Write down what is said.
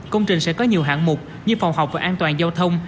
công trình sẽ có nhiều hạng mục như phòng học và an toàn giao thông